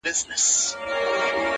تا خو کړئ زموږ د مړو سپکاوی دی,